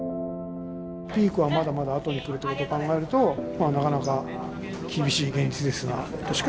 ピークはまだまだ後に来るということを考えるとまあなかなか厳しい現実ですがとしか言いようがない。